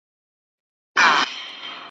لکه فوج د لېونیانو غړومبېدله ,